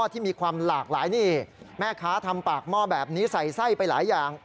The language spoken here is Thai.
ที่มีความหลากหลายนี่แม่ค้าทำปากหม้อแบบนี้ใส่ไส้ไปหลายอย่าง